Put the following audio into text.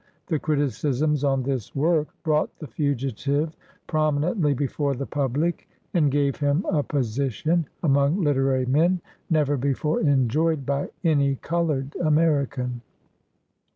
The criticisms on this work brought the fugitive prominently before the pub lic, and gave him a position among literary men never before enjoyed by any colored American.